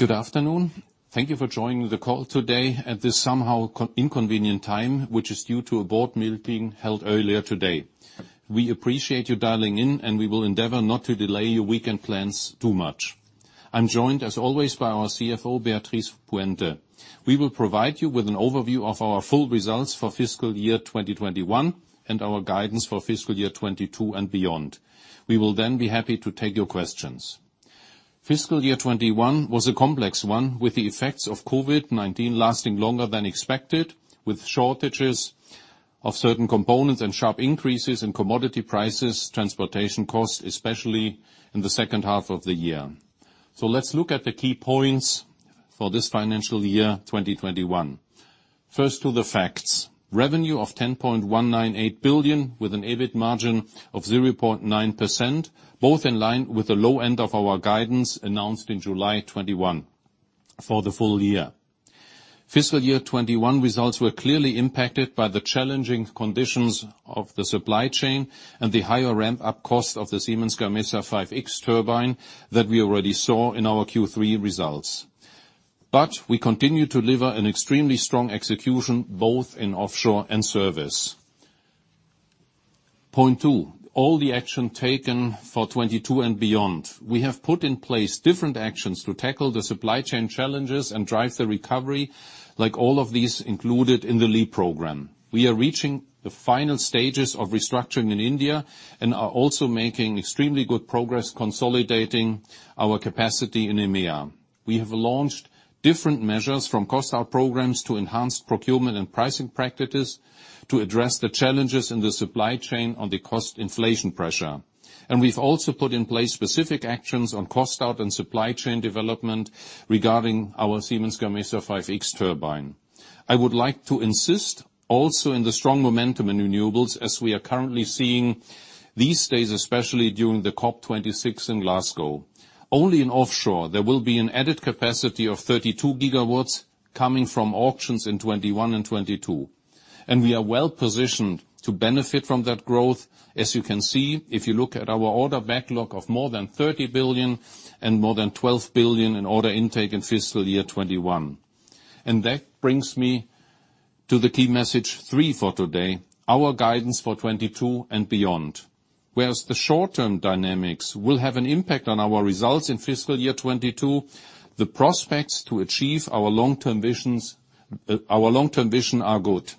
Good afternoon. Thank you for joining the call today at this somehow inconvenient time, which is due to a board meeting held earlier today. We appreciate you dialing in, and we will endeavor not to delay your weekend plans too much. I'm joined, as always, by our CFO, Beatriz Puente. We will provide you with an overview of our full results for fiscal year 2021, and our guidance for fiscal year 2022 and beyond. We will then be happy to take your questions. Fiscal year 2021 was a complex one, with the effects of COVID-19 lasting longer than expected, with shortages of certain components and sharp increases in commodity prices, transportation costs, especially in the second half of the year. Let's look at the key points for this financial year, 2021. First to the facts: revenue of 10.198 billion with an EBIT margin of 0.9%, both in line with the low end of our guidance announced in July 2021 for the full year. Fiscal year 2021 results were clearly impacted by the challenging conditions of the supply chain and the higher ramp-up cost of the Siemens Gamesa 5.X turbine that we already saw in our Q3 results. We continue to deliver an extremely strong execution, both in offshore and service. Point two, all the action taken for 2022 and beyond. We have put in place different actions to tackle the supply chain challenges and drive the recovery, like all of these included in the LEAP program. We are reaching the final stages of restructuring in India and are also making extremely good progress consolidating our capacity in EMEIA. We have launched different measures, from cost out programs to enhanced procurement and pricing practices, to address the challenges in the supply chain on the cost inflation pressure. We've also put in place specific actions on cost out and supply chain development regarding our Siemens Gamesa 5.X turbine. I would like to insist also in the strong momentum in renewables, as we are currently seeing these days, especially during the COP26 in Glasgow. Only in offshore there will be an added capacity of 32 GW coming from auctions in 2021 and 2022. We are well-positioned to benefit from that growth, as you can see if you look at our order backlog of more than 30 billion and more than 12 billion in order intake in fiscal year 2021. That brings me to the key message three for today, our guidance for 2022 and beyond. Whereas the short-term dynamics will have an impact on our results in fiscal year 2022, the prospects to achieve our long-term visions, our long-term vision are good.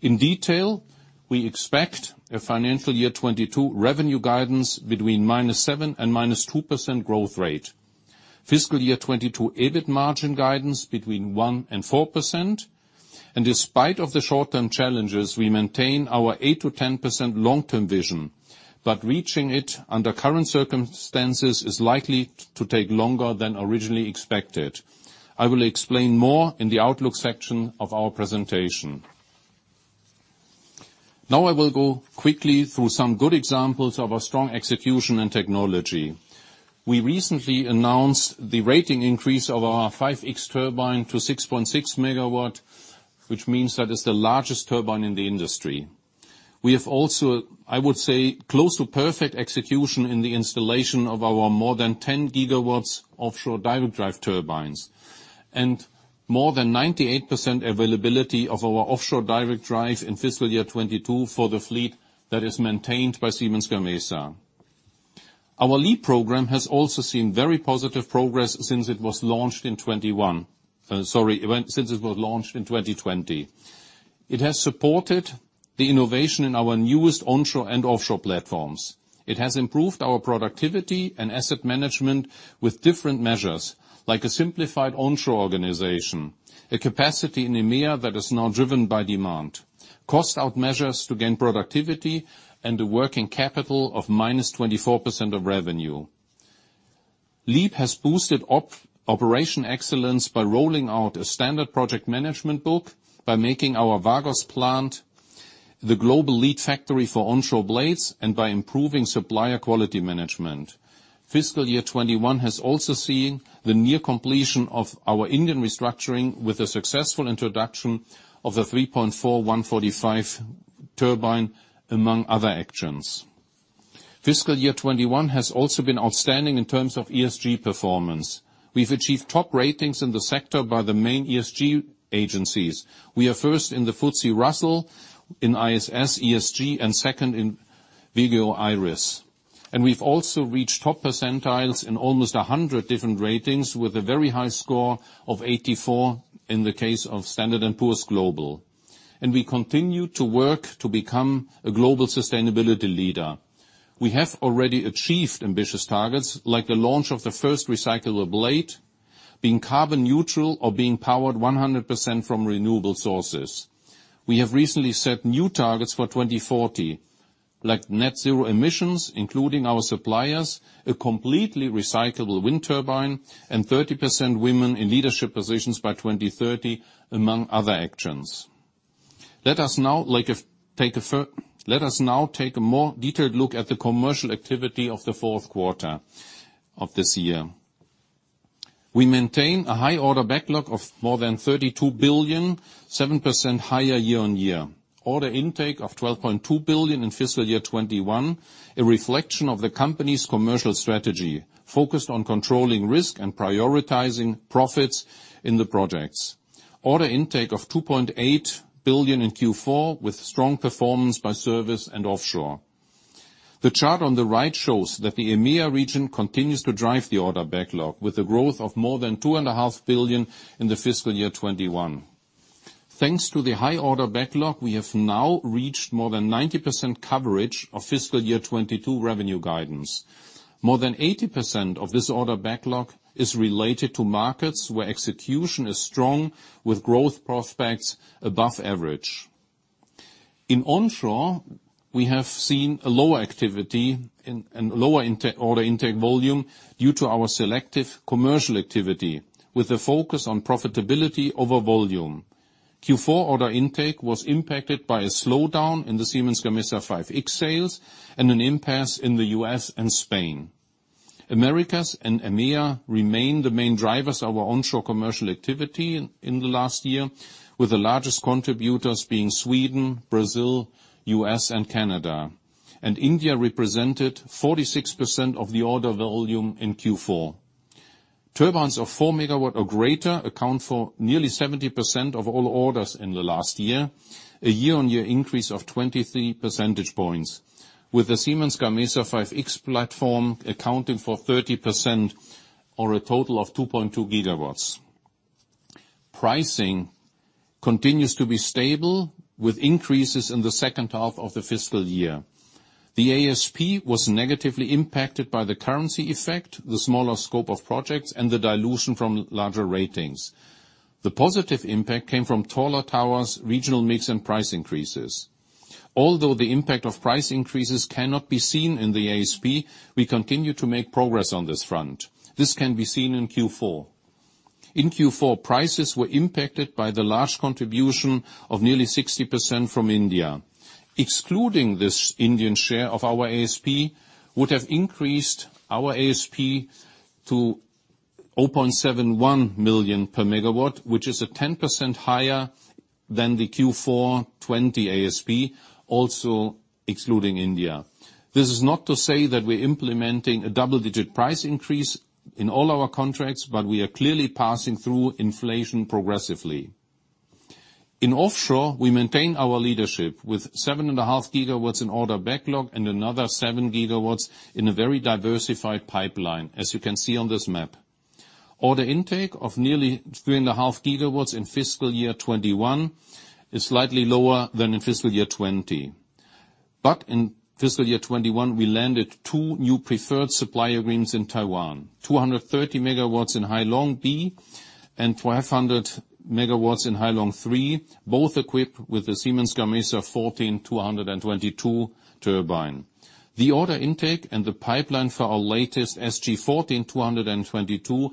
In detail, we expect fiscal year 2022 revenue guidance between -7% and -2% growth rate. Fiscal year 2022 EBIT margin guidance between 1% and 4%. Despite the short-term challenges, we maintain our 8%-10% long-term vision. Reaching it under current circumstances is likely to take longer than originally expected. I will explain more in the outlook section of our presentation. Now I will go quickly through some good examples of our strong execution and technology. We recently announced the rating increase of our 5.X turbine to 6.6 MW, which means that is the largest turbine in the industry. We have also, I would say, close to perfect execution in the installation of our more than 10 GW offshore direct drive turbines. More than 98% availability of our offshore direct drive in fiscal year 2022 for the fleet that is maintained by Siemens Gamesa. Our LEAP program has also seen very positive progress since it was launched in 2021. Sorry, since it was launched in 2020. It has supported the innovation in our newest onshore and offshore platforms. It has improved our productivity and asset management with different measures, like a simplified onshore organization, a capacity in EMEIA that is now driven by demand, cost out measures to gain productivity, and a working capital of -24% of revenue. LEAP has boosted operation excellence by rolling out a standard project management book, by making our Vagos plant the global lead factory for onshore blades, and by improving supplier quality management. Fiscal year 2021 has also seen the near completion of our Indian restructuring with the successful introduction of the SG 3.4-145 turbine, among other actions. Fiscal year 2021 has also been outstanding in terms of ESG performance. We've achieved top ratings in the sector by the main ESG agencies. We are first in the FTSE Russell, in ISS ESG, and second in Vigeo Eiris. We've also reached top percentiles in almost 100 different ratings, with a very high score of 84% in the case of S&P Global. We continue to work to become a global sustainability leader. We have already achieved ambitious targets, like the launch of the first recyclable blade, being carbon neutral or being powered 100% from renewable sources. We have recently set new targets for 2040, like net zero emissions, including our suppliers, a completely recyclable wind turbine, and 30% women in leadership positions by 2030, among other actions. Let us now take a more detailed look at the commercial activity of the fourth quarter of this year. We maintain a high order backlog of more than 32 billion, 7% higher year-on-year. Order intake of 12.2 billion in fiscal year 2021, a reflection of the company's commercial strategy focused on controlling risk and prioritizing profits in the projects. Order intake of 2.8 billion in Q4 with strong performance by service and offshore. The chart on the right shows that the EMEIA region continues to drive the order backlog with a growth of more than 2.5 billion in fiscal year 2021. Thanks to the high order backlog, we have now reached more than 90% coverage of fiscal year 2022 revenue guidance. More than 80% of this order backlog is related to markets where execution is strong with growth prospects above average. In onshore, we have seen a low activity and lower order intake volume due to our selective commercial activity with a focus on profitability over volume. Q4 order intake was impacted by a slowdown in the Siemens Gamesa 5.X sales and an impasse in the U.S. and Spain. Americas and EMEIA remain the main drivers of our onshore commercial activity in the last year, with the largest contributors being Sweden, Brazil, U.S., and Canada. India represented 46% of the order volume in Q4. Turbines of 4 MW or greater account for nearly 70% of all orders in the last year, a year-on-year increase of 23 percentage points, with the Siemens Gamesa 5.X platform accounting for 30% or a total of 2.2 GW. Pricing continues to be stable with increases in the second half of the fiscal year. The ASP was negatively impacted by the currency effect, the smaller scope of projects, and the dilution from larger ratings. The positive impact came from taller towers, regional mix, and price increases. Although the impact of price increases cannot be seen in the ASP, we continue to make progress on this front. This can be seen in Q4. In Q4, prices were impacted by the large contribution of nearly 60% from India. Excluding this Indian share of our ASP would have increased our ASP to 0.71 million per MW, which is at 10% higher than the Q4 2020 ASP, also excluding India. This is not to say that we're implementing a double-digit price increase in all our contracts, but we are clearly passing through inflation progressively. In offshore, we maintain our leadership with 7.5 GW in order backlog and another 7 GW in a very diversified pipeline, as you can see on this map. Order intake of nearly 3.5 GW in fiscal year 2021 is slightly lower than in fiscal year 2020. In fiscal year 2021, we landed two new preferred supplier agreements in Taiwan, 230 MW in Hai Long 2B and 500 MW in Hai Long 3, both equipped with the Siemens Gamesa 14-222 turbine. The order intake and the pipeline for our latest SG 14-222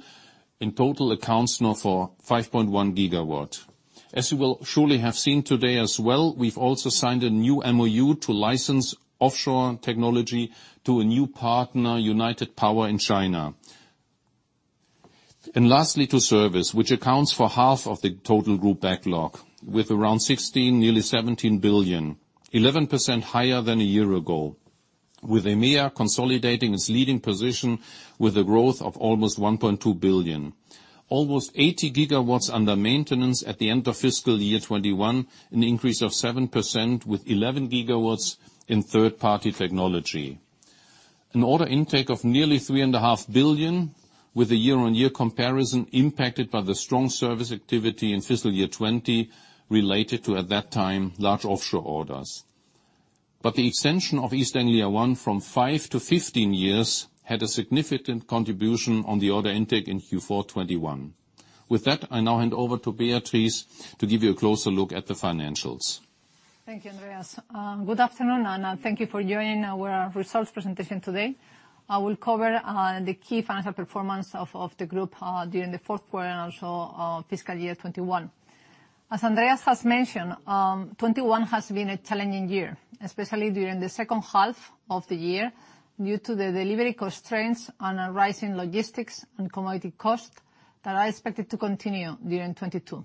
in total accounts now for 5.1 GW. As you will surely have seen today as well, we've also signed a new MOU to license offshore technology to a new partner, United Power, in China. Lastly to service, which accounts for half of the total group backlog, with around 16 billion, nearly 17 billion, 11% higher than a year ago, with EMEIA consolidating its leading position with a growth of almost 1.2 billion. Almost 80 GW under maintenance at the end of fiscal year 2021, an increase of 7% with 11 GW in third-party technology. An order intake of nearly 3.5 billion, with a year-on-year comparison impacted by the strong service activity in fiscal year 2020 related to, at that time, large offshore orders. The extension of East Anglia ONE from five to 15 years had a significant contribution on the order intake in Q4 2021. With that, I now hand over to Beatriz to give you a closer look at the financials. Thank you, Andreas. Good afternoon, and thank you for joining our results presentation today. I will cover the key financial performance of the group during the fourth quarter and also fiscal year 2021. As Andreas has mentioned, 2021 has been a challenging year, especially during the second half of the year due to the delivery constraints and rising logistics and commodity costs that are expected to continue during 2022.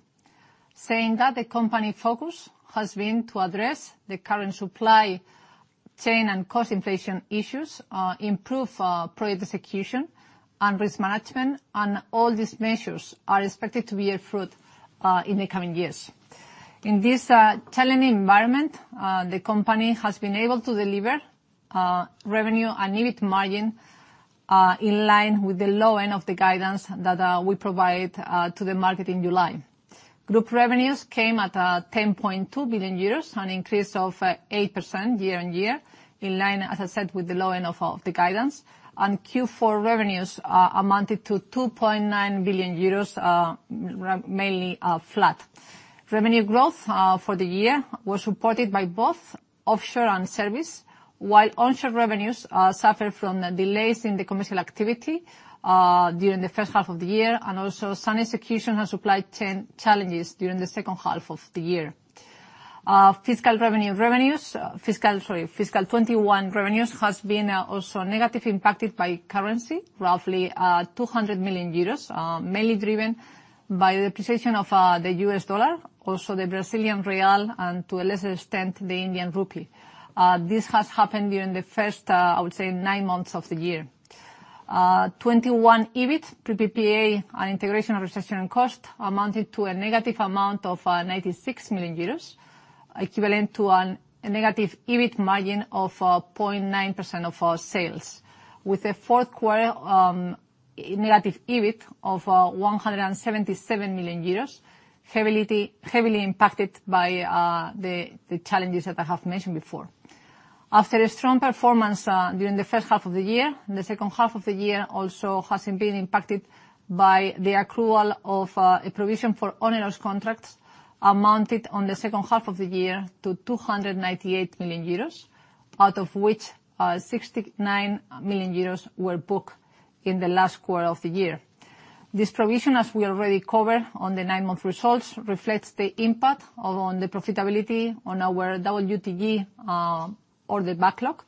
Saying that, the company focus has been to address the current supply chain and cost inflation issues, improve project execution and risk management, and all these measures are expected to bear fruit in the coming years. In this challenging environment, the company has been able to deliver revenue and EBIT margin in line with the low end of the guidance that we provided to the market in July. Group revenues came at 10.2 billion euros, an increase of 8% year-on-year, in line, as I said, with the low end of the guidance. Q4 revenues amounted to 2.9 billion euros, mainly flat. Revenue growth for the year was supported by both offshore and service, while onshore revenues suffered from the delays in the commercial activity during the first half of the year and also some execution and supply challenges during the second half of the year. Fiscal 2021 revenues has been also negatively impacted by currency, roughly 200 million euros. Mainly driven by the position of the U.S. dollar, also the Brazilian real, and to a lesser extent, the Indian rupee. This has happened during the first, I would say, nine months of the year. 2021 EBIT, PPA, and integration or restructuring cost amounted to a negative amount of 96 million euros, equivalent to a negative EBIT margin of 0.9% of our sales. With the fourth quarter negative EBIT of 177 million euros, heavily impacted by the challenges that I have mentioned before. After a strong performance during the first half of the year, the second half of the year also has been impacted by the accrual of a provision for onerous contracts amounted on the second half of the year to 298 million euros, out of which 69 million euros were booked in the last quarter of the year. This provision, as we already covered on the nine-month results, reflects the impact of on the profitability on our WTG or the backlog,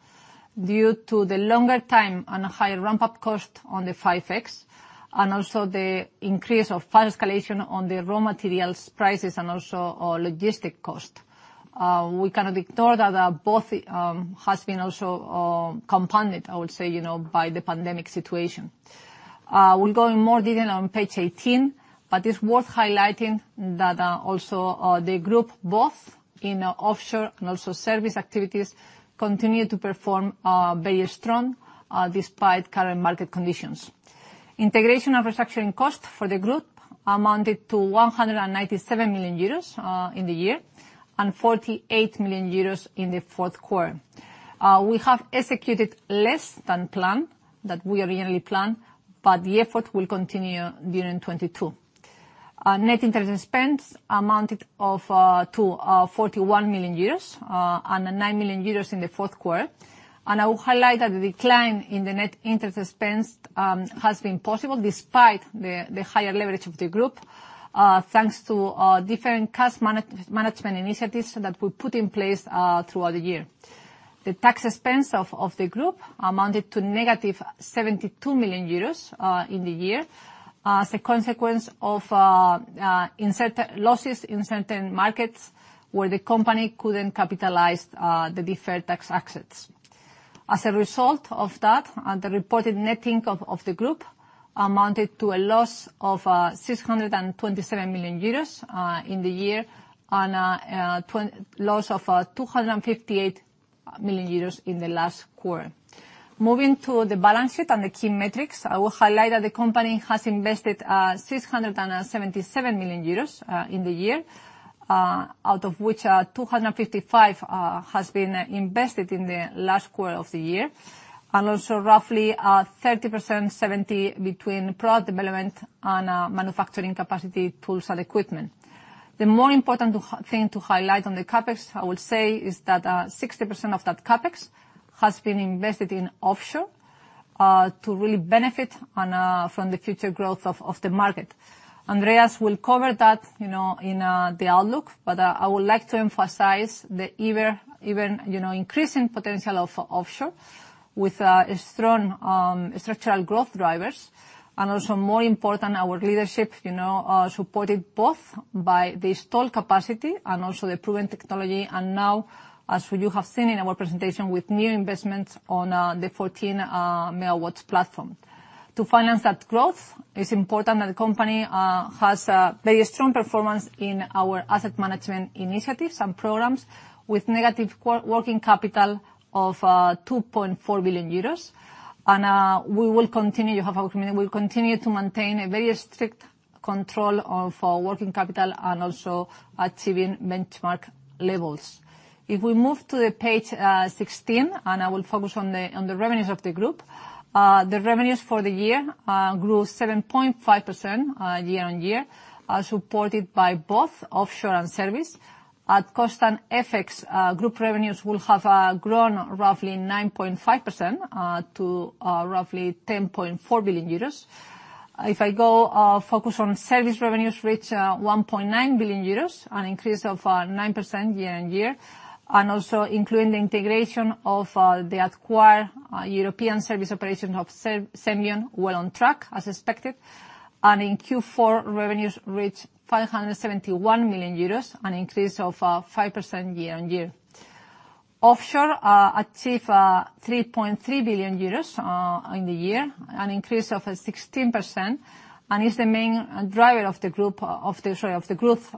due to the longer time and higher ramp-up cost on the 5.X, and also the increase of price escalation on the raw materials prices and also our logistic cost. We kind of ignore that both has been also compounded, I would say, you know, by the pandemic situation. We'll go in more detail on page 18, but it's worth highlighting that also the group both in offshore and also service activities continue to perform very strong despite current market conditions. Integration of restructuring cost for the group amounted to 197 million euros in the year, and 48 million euros in the fourth quarter. We have executed less than planned, that we originally planned, but the effort will continue during 2022. Net interest expense amounted to 41 million euros, and 9 million euros in the fourth quarter. I will highlight that the decline in the net interest expense has been possible despite the higher leverage of the group, thanks to different cost management initiatives that we put in place throughout the year. The tax expense of the group amounted to -72 million euros in the year as a consequence of losses in certain markets where the company couldn't capitalize the deferred tax assets. As a result of that, the reported net income of the group amounted to a loss of 627 million euros in the year, and loss of 258 million euros in the last quarter. Moving to the balance sheet and the key metrics, I will highlight that the company has invested 677 million euros in the year, out of which 255 million has been invested in the last quarter of the year. Roughly, 30/70 between product development and manufacturing capacity, tools, and equipment. The more important thing to highlight on the CapEx, I would say, is that 60% of that CapEx has been invested in offshore to really benefit from the future growth of the market. Andreas will cover that, you know, in the outlook, but I would like to emphasize the ever-increasing potential of offshore with strong structural growth drivers. Also more important, our leadership, you know, supported both by the installed capacity and also the proven technology. Now, as you have seen in our presentation, with new investments on the 14 MW platform. To finance that growth, it's important that the company has a very strong performance in our asset management initiatives and programs with negative core working capital of 2.4 billion euros. We will continue, you have our commitment, we'll continue to maintain a very strict control of our working capital and also achieving benchmark levels. If we move to page 16, and I will focus on the revenues of the group. The revenues for the year grew 7.5% year-on-year, supported by both offshore and service. At constant FX, group revenues will have grown roughly 9.5% to roughly 10.4 billion euros. If I focus on service revenues reached 1.9 billion euros, an increase of 9% year-on-year, and also including the integration of the acquired European service operation of Senvion well on track, as expected. In Q4, revenues reached 571 million euros, an increase of 5% year-on-year. Offshore achieved 3.3 billion euros in the year, an increase of 16%, and is the main driver of the group of the, sorry, of the growth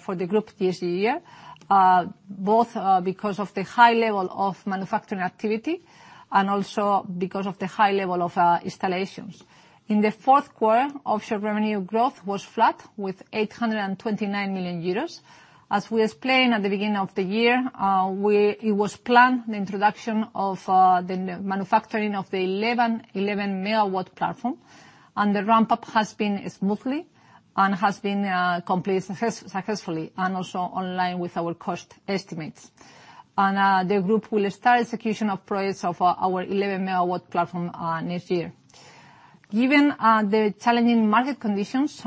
for the group this year. Both because of the high level of manufacturing activity and also because of the high level of installations. In the fourth quarter, offshore revenue growth was flat with 829 million euros. As we explained at the beginning of the year, it was planned the introduction of the manufacturing of the 11 MW platform. The ramp-up has been smooth and has been completed successfully and also in line with our cost estimates. The group will start execution of projects of our 11 MW platform next year. Given the challenging market conditions,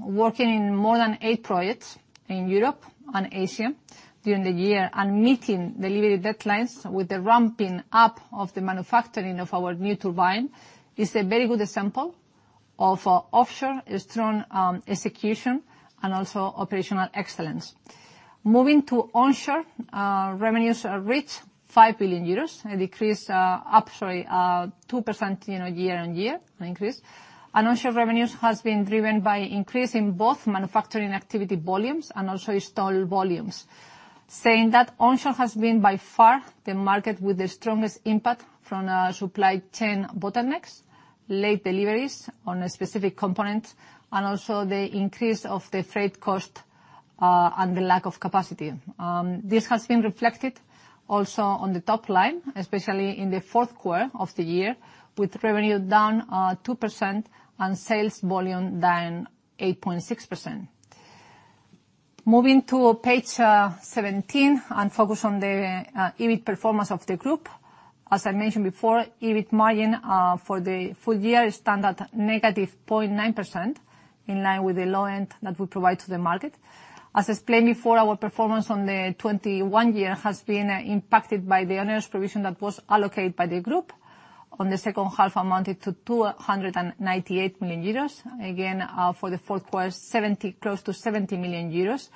working on more than eight projects in Europe and Asia during the year and meeting the delivery deadlines with the ramping up of the manufacturing of our new turbine is a very good example of strong offshore execution and also operational excellence. Moving to onshore, revenues reached 5 billion euros, a decrease, up two percent, you know, year-on-year, an increase. Onshore revenues has been driven by increase in both manufacturing activity volumes and also installed volumes. Saying that, onshore has been by far the market with the strongest impact from supply chain bottlenecks, late deliveries on a specific component, and also the increase of the freight cost and the lack of capacity. This has been reflected also on the top line, especially in the fourth quarter of the year, with revenue down 2% and sales volume down 8.6%. Moving to page 17 and focus on the EBIT performance of the group. As I mentioned before, EBIT margin for the full year stand at -0.9%, in line with the low end that we provide to the market. As explained before, our performance on the 2021 year has been impacted by the onerous provision that was allocated by the group on the second half amounted to 298 million euros. Again, for the fourth quarter, close to 70 million euros.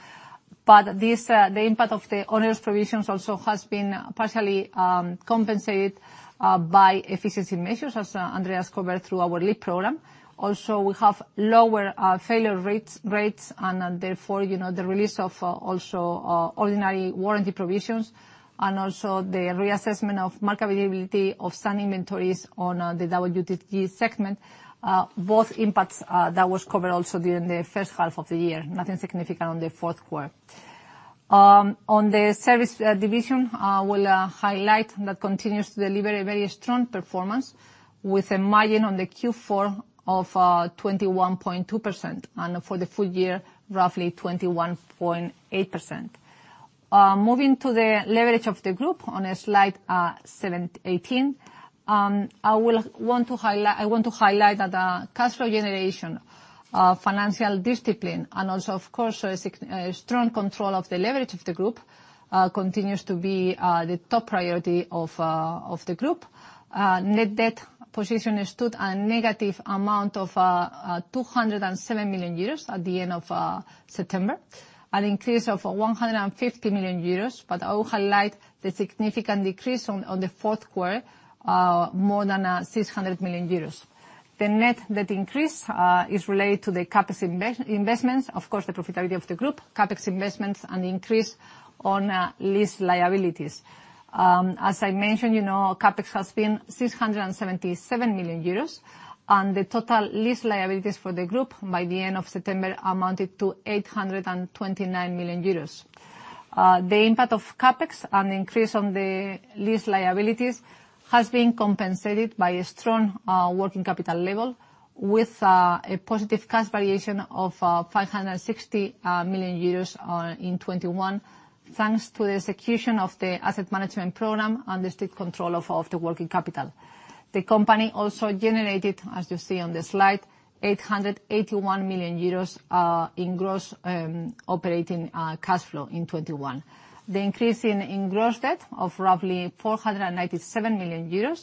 This, the impact of the onerous provisions also has been partially compensated by efficiency measures, as Andreas covered through our LEAP program. Also, we have lower failure rates, and, therefore, you know, the release of also ordinary warranty provisions, and also the reassessment of market availability of some inventories on the WTG segment. Both impacts that was covered also during the first half of the year. Nothing significant on the fourth quarter. On the Service Division, I will highlight that it continues to deliver a very strong performance with a margin on the Q4 of 21.2%, and for the full year, roughly 21.8%. Moving to the leverage of the group on slide 18, I want to highlight that cash flow generation, financial discipline and also, of course, a strong control of the leverage of the group continues to be the top priority of the group. Net debt position stood a negative amount of 207 million euros at the end of September, an increase of 150 million euros, but I will highlight the significant decrease on the fourth quarter, more than 600 million euros. The net debt increase is related to the CapEx investments, of course, the profitability of the group, CapEx investments and increase on lease liabilities. As I mentioned, you know, CapEx has been 677 million euros, and the total lease liabilities for the group by the end of September amounted to 829 million euros. The impact of CapEx and increase on the lease liabilities has been compensated by a strong working capital level with a positive cash variation of 560 million euros in 2021, thanks to the execution of the asset management program and the strict control of the working capital. The company also generated, as you see on the slide, 881 million euros in gross operating cash flow in 2021. The increase in gross debt of roughly 497 million euros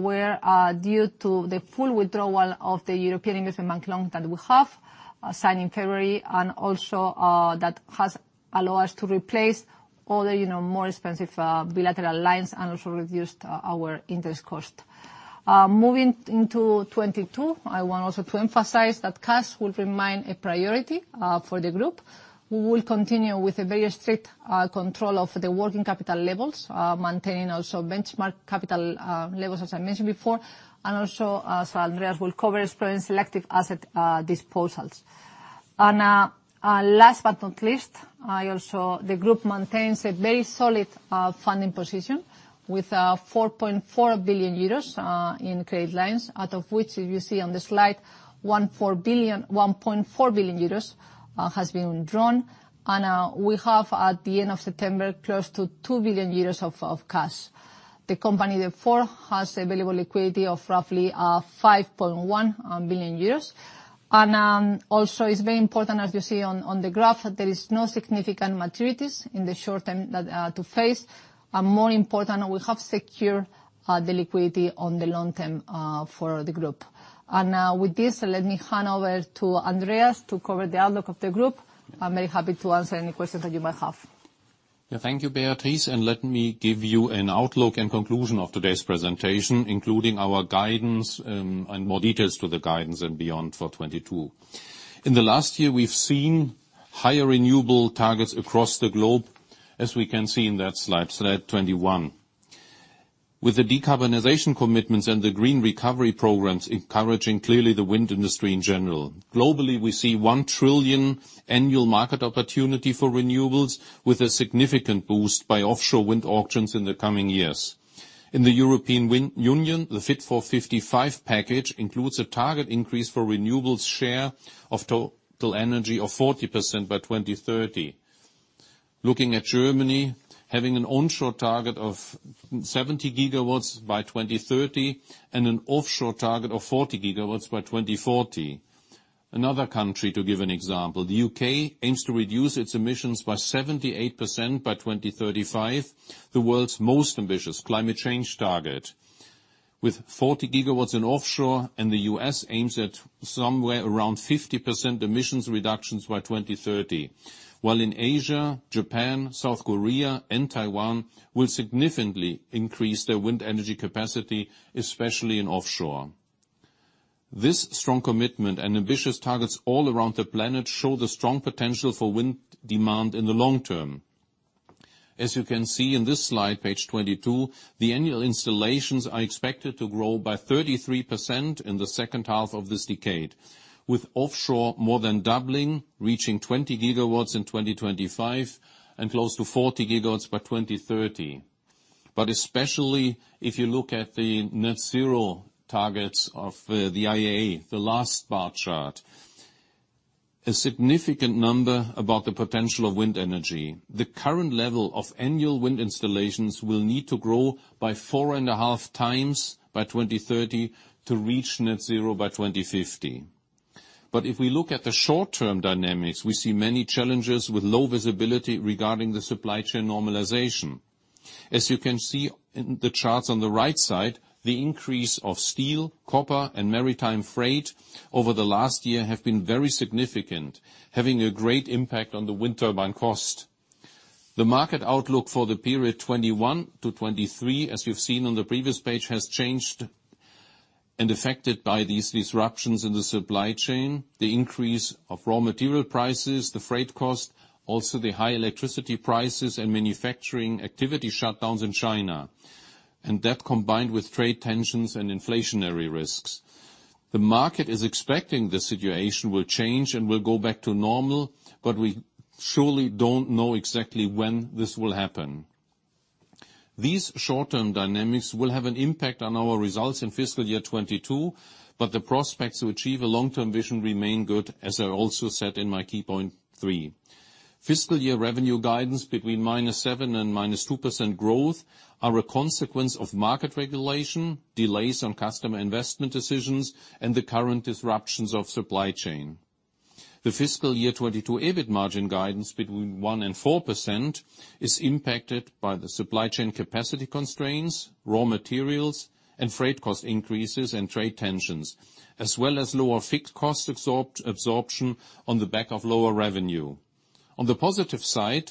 were due to the full withdrawal of the European Investment Bank loan that we have signed in February, and also that has allowed us to replace all the, you know, more expensive bilateral lines and also reduced our interest cost. Moving into 2022, I want also to emphasize that cash will remain a priority for the group. We will continue with a very strict control of the working capital levels, maintaining also benchmark capital levels, as I mentioned before, and also, as Andreas will cover, exploring selective asset disposals. Last but not least, also the group maintains a very solid funding position with 4.4 billion euros in credit lines, out of which you see on the slide, 1.4 billion euros has been drawn. We have, at the end of September, close to 2 billion euros of cash. The company therefore has available liquidity of roughly 5.1 billion euros. Also it's very important, as you see on the graph, that there is no significant maturities in the short term that to face. More important, we have secured the liquidity on the long term for the group. With this, let me hand over to Andreas to cover the outlook of the group. I'm very happy to answer any questions that you might have. Yeah. Thank you, Beatriz, and let me give you an outlook and conclusion of today's presentation, including our guidance, and more details to the guidance and beyond for 2022. In the last year, we've seen higher renewable targets across the globe, as we can see in that slide 21. With the decarbonization commitments and the green recovery programs encouraging clearly the wind industry in general, globally, we see 1 trillion annual market opportunity for renewables with a significant boost by offshore wind auctions in the coming years. In the European Union, the Fit for 55 package includes a target increase for renewables share of total energy of 40% by 2030. Looking at Germany, having an onshore target of 70 GW by 2030, and an offshore target of 40 GW by 2040. Another country to give an example, the U.K. aims to reduce its emissions by 78% by 2035, the world's most ambitious climate change target. With 40 GW in offshore, the U.S. aims at somewhere around 50% emissions reductions by 2030. While in Asia, Japan, South Korea, and Taiwan will significantly increase their wind energy capacity, especially in offshore. This strong commitment and ambitious targets all around the planet show the strong potential for wind demand in the long term. As you can see in this slide, page 22, the annual installations are expected to grow by 33% in the second half of this decade, with offshore more than doubling, reaching 20 GW in 2025, and close to 40 GW by 2030. Especially if you look at the net zero targets of the IEA, the last bar chart, a significant number about the potential of wind energy. The current level of annual wind installations will need to grow by 4.5x by 2030 to reach net zero by 2050. If we look at the short-term dynamics, we see many challenges with low visibility regarding the supply chain normalization. As you can see in the charts on the right side, the increase of steel, copper, and maritime freight over the last year have been very significant, having a great impact on the wind turbine cost. The market outlook for the period 2021 to 2023, as you've seen on the previous page, has changed and affected by these disruptions in the supply chain, the increase of raw material prices, the freight cost, also the high electricity prices and manufacturing activity shutdowns in China, that combined with trade tensions and inflationary risks. The market is expecting the situation will change and will go back to normal, but we surely don't know exactly when this will happen. These short-term dynamics will have an impact on our results in fiscal year 2022, but the prospects to achieve a long-term vision remain good, as I also said in my key point three. Fiscal year revenue guidance between -7% and -2% growth are a consequence of market regulation, delays on customer investment decisions, and the current disruptions of supply chain. The fiscal year 2022 EBIT margin guidance between 1%-4% is impacted by the supply chain capacity constraints, raw materials, and freight cost increases and trade tensions, as well as lower fixed cost absorption on the back of lower revenue. On the positive side,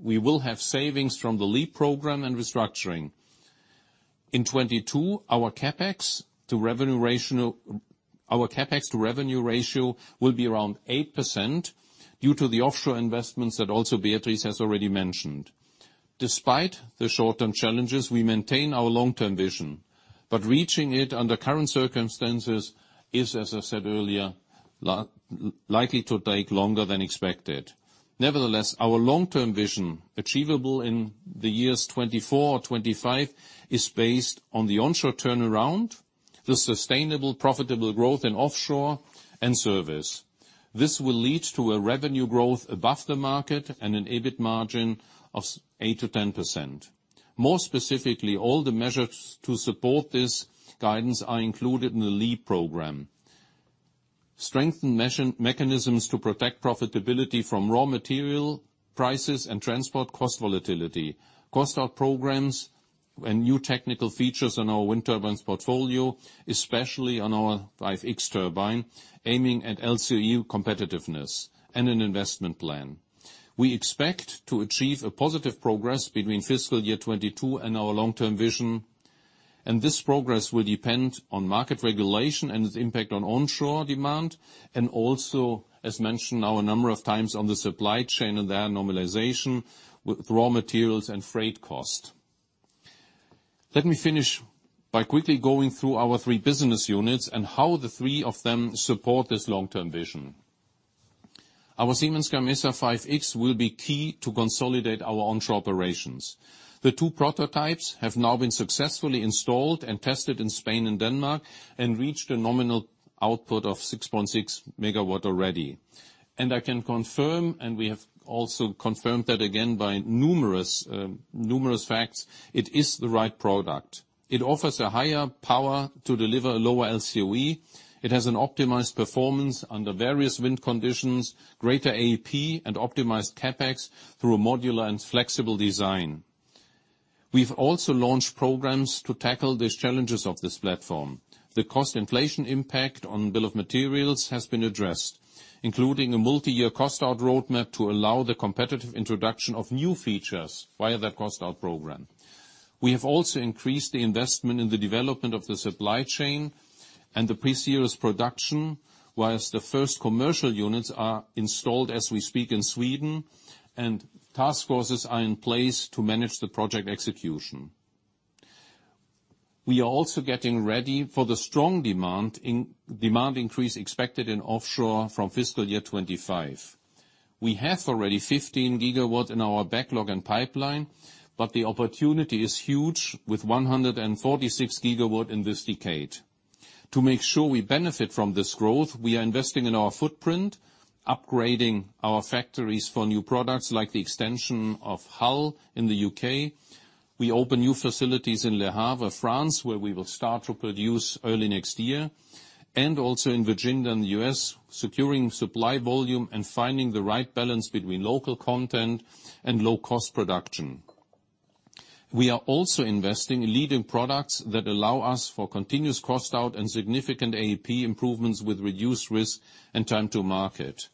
we will have savings from the LEAP program and restructuring. In 2022, our CapEx to revenue ratio will be around 8% due to the offshore investments that also Beatriz has already mentioned. Despite the short-term challenges, we maintain our long-term vision. Reaching it under current circumstances is, as I said earlier, likely to take longer than expected. Nevertheless, our long-term vision, achievable in the years 2024 or 2025, is based on the onshore turnaround, the sustainable profitable growth in offshore, and service. This will lead to a revenue growth above the market and an EBIT margin of 8%-10%. More specifically, all the measures to support this guidance are included in the LEAP program. Strengthen mechanisms to protect profitability from raw material prices and transport cost volatility. Cost out programs and new technical features on our wind turbines portfolio, especially on our 5.X turbine, aiming at LCOE competitiveness and an investment plan. We expect to achieve a positive progress between fiscal year 2022 and our long-term vision, and this progress will depend on market regulation and its impact on onshore demand, and also, as mentioned now a number of times, on the supply chain and their normalization with raw materials and freight cost. Let me finish by quickly going through our three business units and how the three of them support this long-term vision. Our Siemens Gamesa 5.X will be key to consolidate our onshore operations. The two prototypes have now been successfully installed and tested in Spain and Denmark and reached a nominal output of 6.6 MW already. I can confirm, and we have also confirmed that again by numerous facts, it is the right product. It offers a higher power to deliver a lower LCOE. It has an optimized performance under various wind conditions, greater AEP, and optimized CapEx through a modular and flexible design. We've also launched programs to tackle these challenges of this platform. The cost inflation impact on bill of materials has been addressed, including a multiyear cost-out roadmap to allow the competitive introduction of new features via the cost-out program. We have also increased the investment in the development of the supply chain and the pre-series production, while the first commercial units are installed as we speak in Sweden, and task forces are in place to manage the project execution. We are also getting ready for the strong demand increase expected in offshore from fiscal year 2025. We have already 15 GW in our backlog and pipeline, but the opportunity is huge with 146 GW in this decade. To make sure we benefit from this growth, we are investing in our footprint, upgrading our factories for new products, like the extension of Hull in the U.K. We open new facilities in Le Havre, France, where we will start to produce early next year. Also in Virginia in the U.S., securing supply volume and finding the right balance between local content and low cost production. We are also investing in leading products that allow us for continuous cost out and significant AEP improvements with reduced risk and time to market.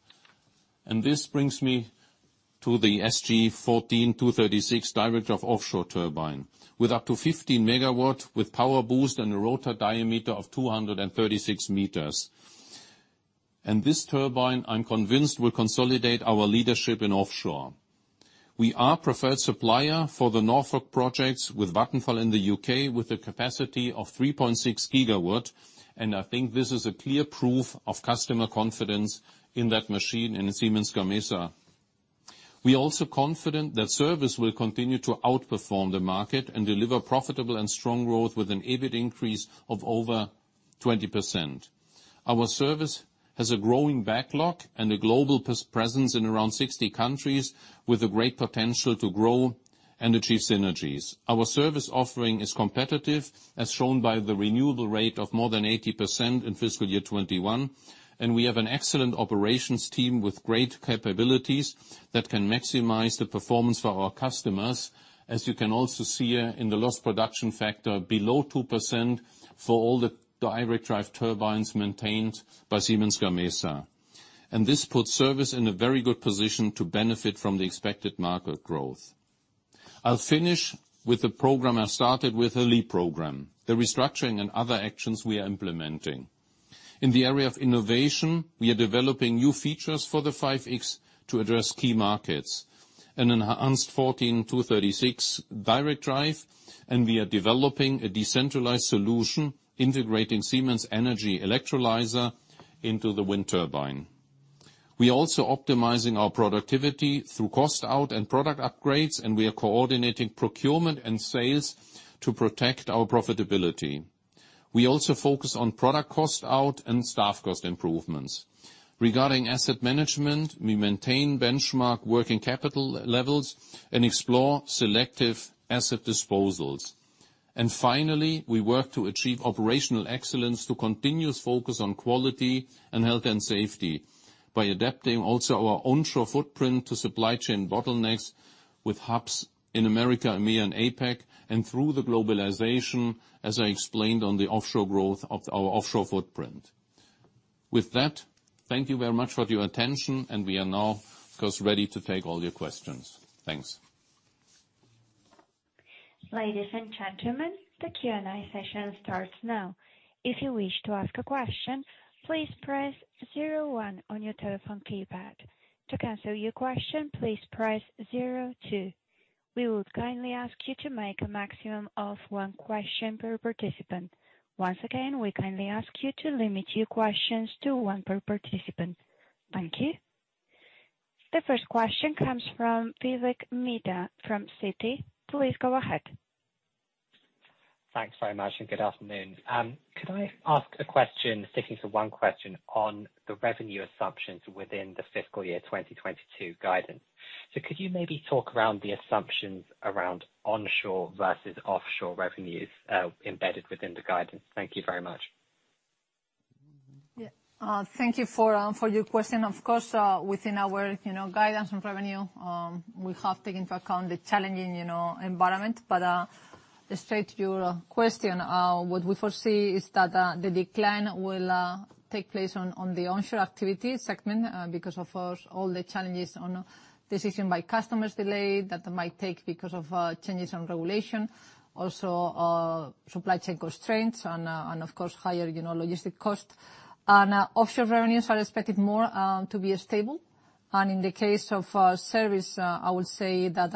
This brings me to the SG 14-236 direct drive offshore turbine. With up to 15 MW, with Power Boost and a rotor diameter of 236 meters. This turbine, I'm convinced, will consolidate our leadership in offshore. We are preferred supplier for the Norfolk projects with Vattenfall in the U.K., with a capacity of 3.6 GW, and I think this is a clear proof of customer confidence in that machine and in Siemens Gamesa. We are also confident that service will continue to outperform the market and deliver profitable and strong growth, with an EBIT increase of over 20%. Our service has a growing backlog and a global presence in around 60 countries, with the great potential to grow and achieve synergies. Our service offering is competitive, as shown by the renewable rate of more than 80% in fiscal year 2021. We have an excellent operations team with great capabilities that can maximize the performance for our customers, as you can also see in the lost production factor below 2% for all the direct drive turbines maintained by Siemens Gamesa. This puts service in a very good position to benefit from the expected market growth. I'll finish with the program I started with, the LEAP program, the restructuring and other actions we are implementing. In the area of innovation, we are developing new features for the 5.X to address key markets. An enhanced SG 14-236 Direct Drive, and we are developing a decentralized solution integrating Siemens Energy electrolyzer into the wind turbine. We also optimizing our productivity through cost out and product upgrades, and we are coordinating procurement and sales to protect our profitability. We also focus on product cost out and staff cost improvements. Regarding asset management, we maintain benchmark working capital levels and explore selective asset disposals. Finally, we work to achieve operational excellence through continuous focus on quality and health and safety by adapting also our onshore footprint to supply chain bottlenecks with hubs in America, EMEIA, and APAC, and through the globalization, as I explained on the offshore growth of our offshore footprint. With that, thank you very much for your attention, and we are now of course ready to take all your questions. Thanks. Ladies and gentlemen, the Q&A session starts now. If you wish to ask a question, please press zero one on your telephone keypad. To cancel your question, please press zero two. We would kindly ask you to make a maximum of one question per participant. Once again, we kindly ask you to limit your questions to one per participant. Thank you. The first question comes from Vivek Midha from Citi. Please go ahead. Thanks very much, and good afternoon. Could I ask a question, sticking to one question, on the revenue assumptions within the fiscal year 2022 guidance? Could you maybe talk around the assumptions around onshore versus offshore revenues, embedded within the guidance? Thank you very much. Yeah. Thank you for your question. Of course, within our, you know, guidance on revenue, we have taken into account the challenging, you know, environment. Straight to your question, what we foresee is that the decline will take place on the Onshore Activity segment, because of course all the challenges and decisions by customers delayed that might take because of changes in regulation. Also, supply chain constraints and of course higher, you know, logistics cost. Offshore revenues are expected more to be stable. In the case of service, I would say that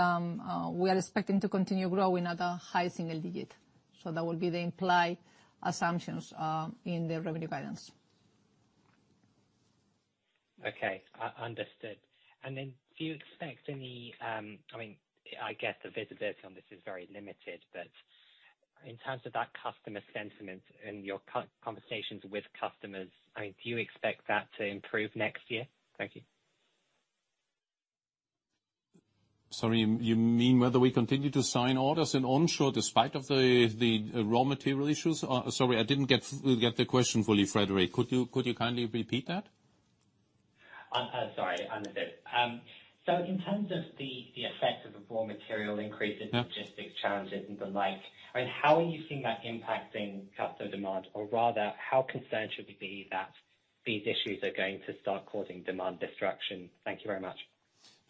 we are expecting to continue growing at a high single-digit. That will be the implied assumptions in the revenue guidance. Okay. Understood. Do you expect any, I mean, I get the visibility on this is very limited, but in terms of that customer sentiment in your conversations with customers, I mean, do you expect that to improve next year? Thank you. Sorry, you mean whether we continue to sign orders in onshore despite of the raw material issues? Sorry, I didn't get the question fully, Vivek. Could you kindly repeat that? Sorry, understood. In terms of the effect of the raw material increase- Yeah logistics challenges and the like, I mean, how are you seeing that impacting customer demand? Or rather, how concerned should we be that these issues are going to start causing demand destruction? Thank you very much.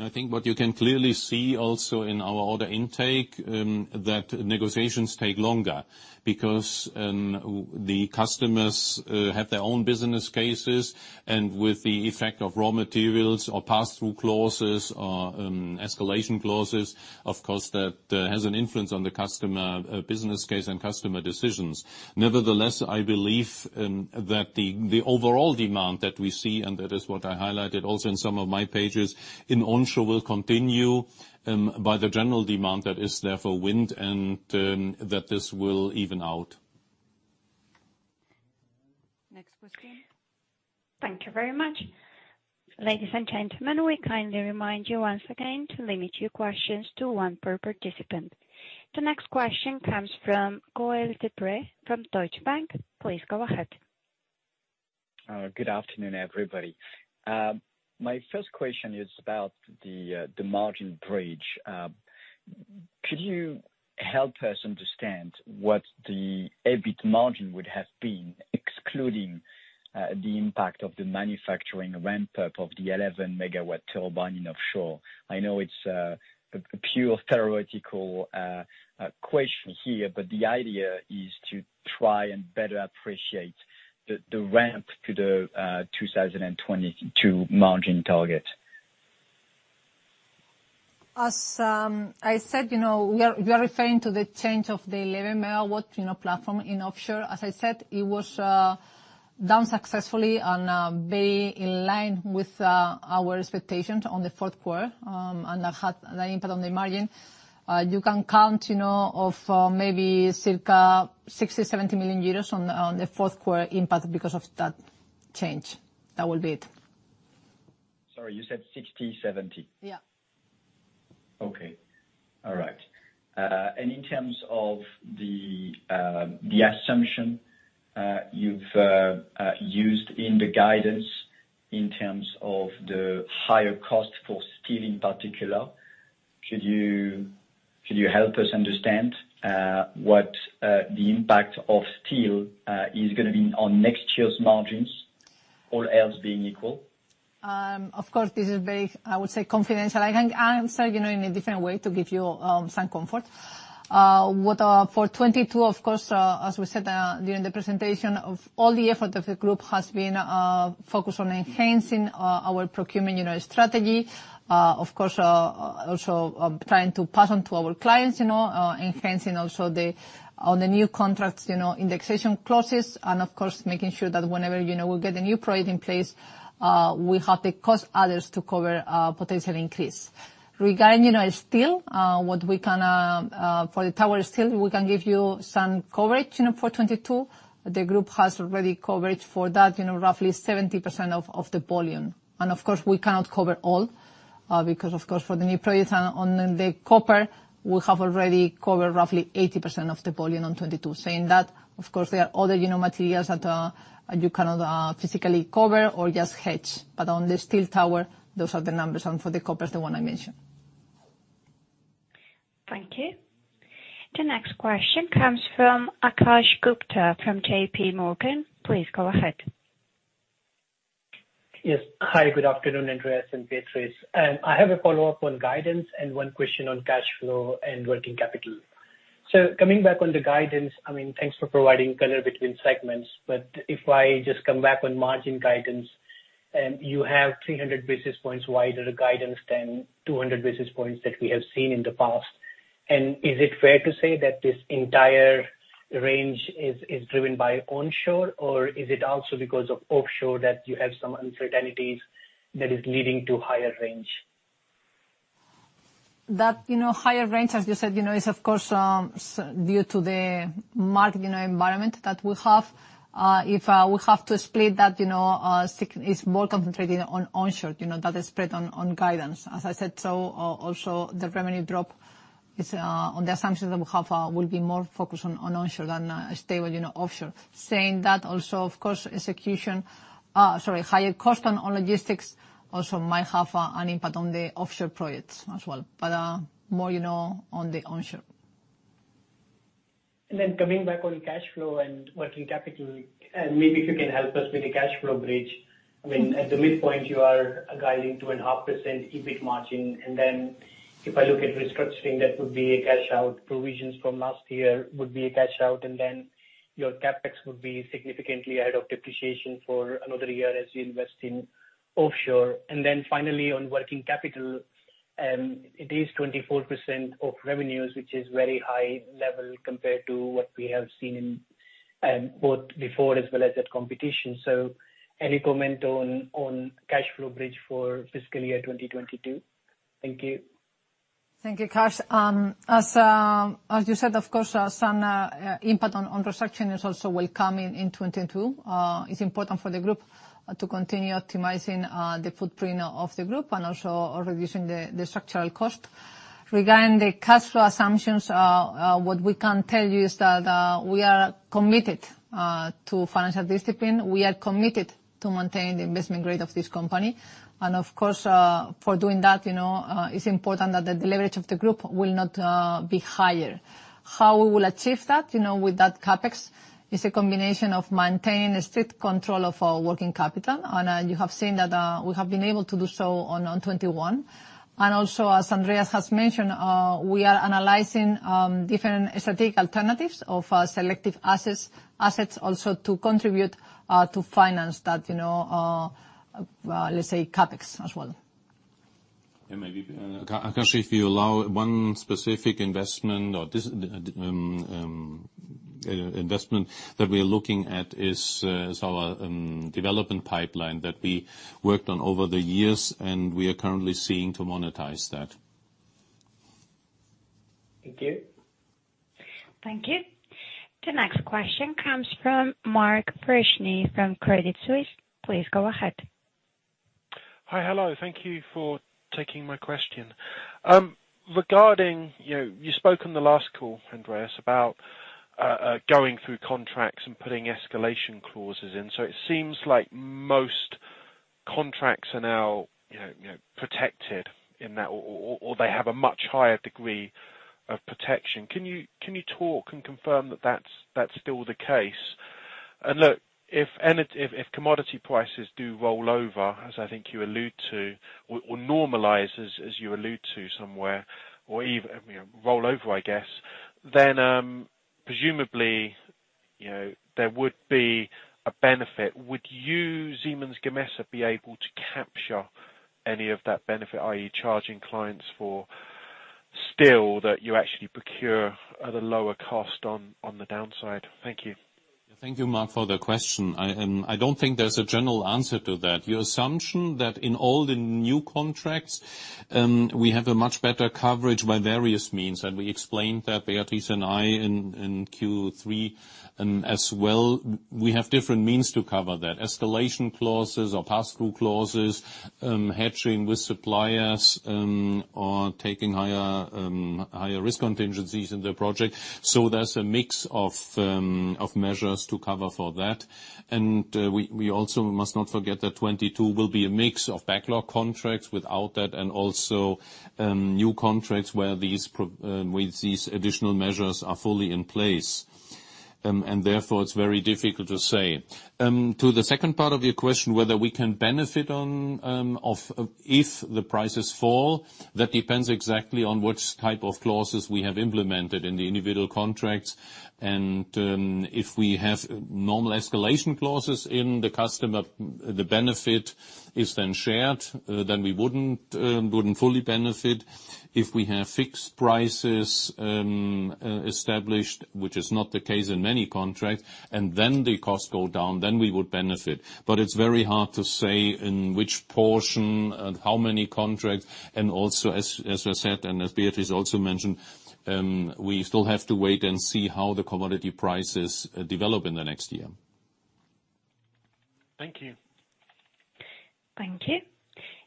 I think what you can clearly see also in our order intake, that negotiations take longer because the customers have their own business cases, and with the effect of raw materials or pass-through clauses or escalation clauses, of course, that has an influence on the customer business case and customer decisions. Nevertheless, I believe that the overall demand that we see, and that is what I highlighted also in some of my pages, in onshore will continue by the general demand that is there for wind and that this will even out. Thank you very much. Ladies and gentlemen, we kindly remind you once again to limit your questions to one per participant. The next question comes from Gael de-Bray from Deutsche Bank. Please go ahead. Good afternoon, everybody. My first question is about the margin bridge. Could you help us understand what the EBIT margin would have been excluding the impact of the manufacturing ramp-up of the 11 MW turbine in offshore? I know it's a purely theoretical question here, but the idea is to try and better appreciate the ramp to the 2022 margin target. As I said, you know, we are referring to the change of the 11 MW platform in offshore. As I said, it was done successfully and very in line with our expectations on the fourth quarter, and that had an impact on the margin. You can count on, you know, maybe circa 60 million-70 million euros on the fourth quarter impact because of that change. That will be it. Sorry, you said 60 million, 70 million? Yeah. Okay. All right. In terms of the assumption you've used in the guidance in terms of the higher cost for steel in particular, could you help us understand what the impact of steel is gonna be on next year's margins, all else being equal? Of course, this is very, I would say, confidential. I can answer, you know, in a different way to give you some comfort. For 2022, of course, as we said, during the presentation, all the effort of the group has been focused on enhancing our procurement, you know, strategy. Of course, also trying to pass on to our clients, you know, enhancing also on the new contracts, you know, indexation clauses and of course, making sure that whenever, you know, we get a new product in place, we have the cost covers to cover a potential increase. Regarding, you know, steel, what we can for the tower steel, we can give you some coverage, you know, for 2022. The group has already coverage for that, you know, roughly 70% of the volume. Of course, we cannot cover all, because of course for the new products on the copper, we have already covered roughly 80% of the volume on 2022. Saying that, of course, there are other, you know, materials that you cannot physically cover or just hedge. On the steel tower, those are the numbers, and for the copper is the one I mentioned. Thank you. The next question comes from Akash Gupta from JPMorgan. Please go ahead. Yes. Hi, good afternoon, Andreas and Beatriz. I have a follow-up on guidance and one question on cash flow and working capital. Coming back on the guidance, I mean, thanks for providing color between segments. If I just come back on margin guidance, and you have 300 basis points wider guidance than 200 basis points that we have seen in the past. Is it fair to say that this entire range is driven by onshore, or is it also because of offshore that you have some uncertainties that is leading to higher range? That, you know, higher range, as you said, you know, is of course due to the market, you know, environment that we have. If we have to split that, you know, it's more concentrated on onshore, you know. That is spread on guidance, as I said. Also the revenue drop is on the assumption that we will be more focused on onshore than stable, you know, offshore. Saying that also of course, higher cost on logistics also might have an impact on the offshore projects as well. More, you know, on the onshore. Coming back on cash flow and working capital, and maybe if you can help us with the cash flow bridge. I mean, at the midpoint, you are guiding 2.5% EBIT margin. If I look at restructuring, that would be a cash out. Provisions from last year would be a cash out. Your CapEx would be significantly out of depreciation for another year as you invest in offshore. Finally, on working capital, it is 24% of revenues, which is very high level compared to what we have seen in, both before as well as at competition. Any comment on cash flow bridge for fiscal year 2022? Thank you. Thank you, Akash. As you said, of course, some impact on restructuring is also will come in 2022. It's important for the group to continue optimizing the footprint of the group and also reducing the structural cost. Regarding the cash flow assumptions, what we can tell you is that we are committed to financial discipline. We are committed to maintain the investment grade of this company. Of course, for doing that, you know, it's important that the leverage of the group will not be higher. How we will achieve that, you know, with that CapEx is a combination of maintaining a strict control of our working capital. You have seen that we have been able to do so in 2021. As Andreas has mentioned, we are analyzing different strategic alternatives of selective assets also to contribute to finance that, you know, let's say CapEx as well. Maybe, Akash, if you allow one specific investment or this, investment that we are looking at is our development pipeline that we worked on over the years, and we are currently seeking to monetize that. Thank you. Thank you. The next question comes from Mark Freshney from Credit Suisse. Please go ahead. Hi. Hello. Thank you for taking my question. Regarding, you know, you spoke on the last call, Andreas, about going through contracts and putting escalation clauses in. It seems like most contracts are now, you know, protected in that or they have a much higher degree of protection. Can you talk and confirm that that's still the case? Look, if commodity prices do roll over, as I think you allude to, or normalizes as you allude to somewhere, or even, you know, roll over, I guess, then, presumably, you know, there would be a benefit. Would you, Siemens Gamesa, be able to capture any of that benefit, i.e. charging clients for steel that you actually procure at a lower cost on the downside? Thank you. Thank you, Mark, for the question. I don't think there's a general answer to that. Your assumption that in all the new contracts, we have a much better coverage by various means, and we explained that, Beatriz and I, in Q3. As well, we have different means to cover that. Escalation clauses or pass-through clauses, hedging with suppliers, or taking higher risk contingencies in the project. So there's a mix of measures to cover for that. We also must not forget that 2022 will be a mix of backlog contracts without that, and also, new contracts where these with these additional measures are fully in place. Therefore, it's very difficult to say. To the second part of your question, whether we can benefit if the prices fall, that depends exactly on which type of clauses we have implemented in the individual contracts. If we have normal escalation clauses in the customer, the benefit is then shared, then we wouldn't fully benefit. If we have fixed prices established, which is not the case in many contracts, and then the costs go down, then we would benefit. It's very hard to say in which portion and how many contracts. Also, as I said, and as Beatriz also mentioned, we still have to wait and see how the commodity prices develop in the next year. Thank you. Thank you.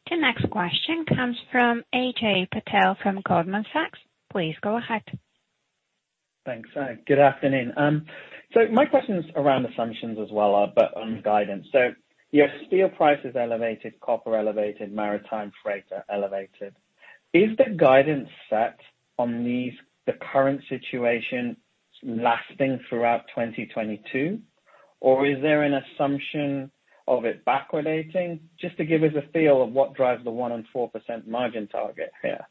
The next question comes from Ajay Patel from Goldman Sachs. Please go ahead. Thanks. Good afternoon. My question is around assumptions as well, but on guidance. Your steel price is elevated, copper elevated, maritime freighter elevated. Is the guidance set on these, the current situation lasting throughout 2022? Or is there an assumption of it backwardating? Just to give us a feel of what drives the 14% margin target here.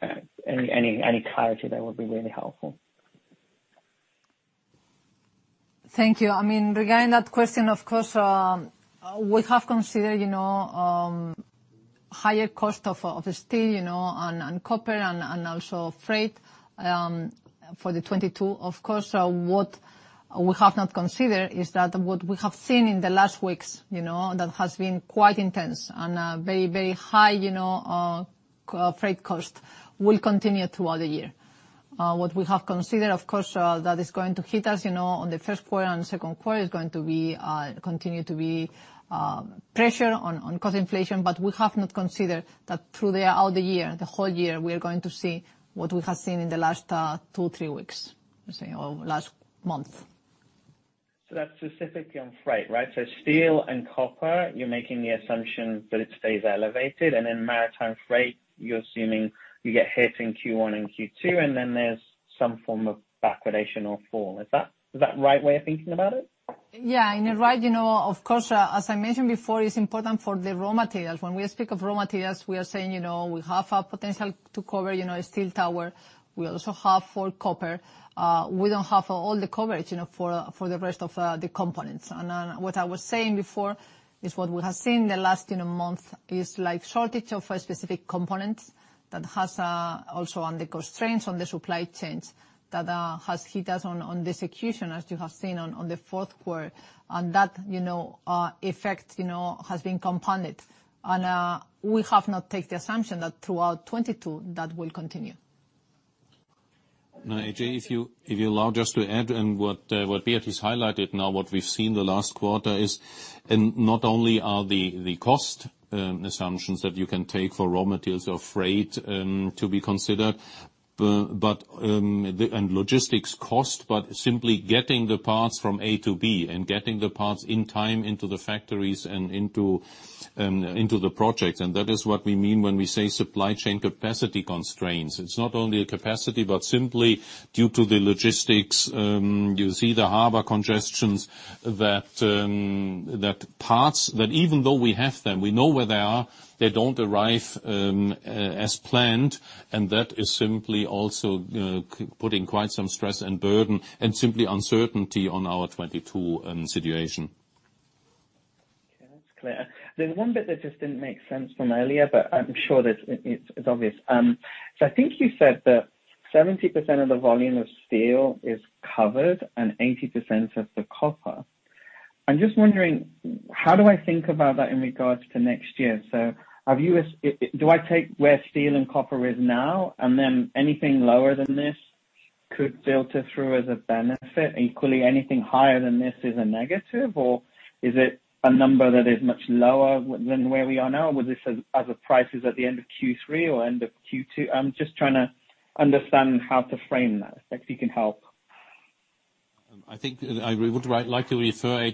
Any clarity there would be really helpful. Thank you. I mean, regarding that question, of course, we have considered, you know, higher cost of steel, you know, and copper and also freight, for the 2022, of course. What we have not considered is that what we have seen in the last weeks, you know, that has been quite intense and very, very high, you know, freight cost will continue throughout the year. What we have considered, of course, that is going to hit us, you know, on the first quarter and second quarter is going to continue to be pressure on cost inflation. We have not considered that throughout the year, the whole year, we are going to see what we have seen in the last two, three weeks, say, or last month. That's specifically on freight, right? Steel and copper, you're making the assumption that it stays elevated. Then maritime freight, you're assuming you get hit in Q1 and Q2, and then there's some form of backwardation or fall. Is that the right way of thinking about it? Yeah. Alright, you know, of course, as I mentioned before, it's important for the raw materials. When we speak of raw materials, we are saying, you know, we have a potential to cover, you know, a steel tower. We also have for copper. We don't have all the coverage, you know, for the rest of the components. What I was saying before is what we have seen in the last, you know, month is like shortage of a specific component that has also added to the constraints on the supply chains that has hit us on the execution, as you have seen in the fourth quarter. That effect has been compounded. We have not taken the assumption that throughout 2022 that will continue. Now, Ajay, if you allow me just to add to what Beatriz highlighted, what we've seen in the last quarter is not only the cost assumptions that you can take for raw materials or freight to be considered, but also logistics costs, but simply getting the parts from A to B and getting the parts in time into the factories and into the projects. That is what we mean when we say supply chain capacity constraints. It's not only a capacity, but simply due to the logistics. You see the harbor congestions that the parts, even though we have them, we know where they are, they don't arrive as planned. That is simply also putting quite some stress and burden and simply uncertainty on our 2022 situation. Okay. That's clear. There's one bit that just didn't make sense from earlier, but I'm sure that it's obvious. I think you said that 70% of the volume of steel is covered and 80% of the copper. I'm just wondering, how do I think about that in regards to next year? Do I take where steel and copper is now, and then anything lower than this could filter through as a benefit, equally anything higher than this is a negative? Or is it a number that is much lower than where we are now? Was this as of prices at the end of Q3 or end of Q2? I'm just trying to understand how to frame that, if you can help. I think I would like to refer